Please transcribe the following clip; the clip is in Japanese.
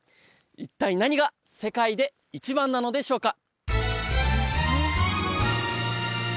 一体何が世界で一番なのでしょうか？